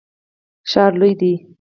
ښار لوی دی.